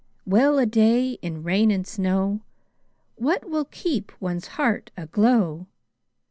Well a day! in rain and snowWhat will keep one's heart aglow?